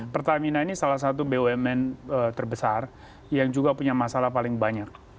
pertamina ini salah satu bumn terbesar yang juga punya masalah paling banyak